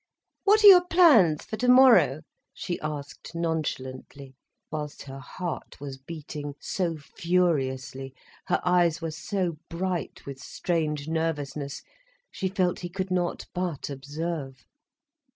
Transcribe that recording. "What are your plans for tomorrow?" she asked nonchalantly, whilst her heart was beating so furiously, her eyes were so bright with strange nervousness, she felt he could not but observe.